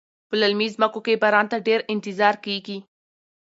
په للمي ځمکو کې باران ته ډیر انتظار کیږي.